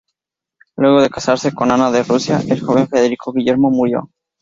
Luego de casarse con Ana de Rusia, el joven Federico Guillermo murió.